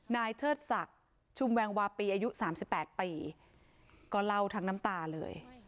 เทิดศักดิ์ชุมแวงวาปีอายุ๓๘ปีก็เล่าทั้งน้ำตาเลย